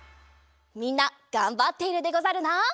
みんながんばっているでござるな。